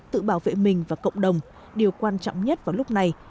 tự bảo vệ mình và cộng đồng điều quan trọng nhất vào lúc này